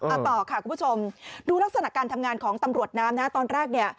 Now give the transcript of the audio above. เอาต่อค่ะคุณผู้ชมดูลักษณะการทำงานของตำรวจน้ำนะตอนแรกเนี่ย